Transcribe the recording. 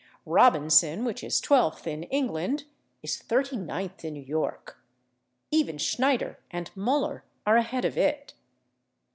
/Robinson/, which is twelfth in England, is thirty ninth in New York; even /Schneider/ and /Muller/ are ahead of it.